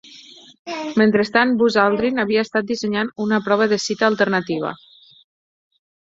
Mentrestant, Buzz Aldrin havia estat dissenyant una prova de cita alternativa.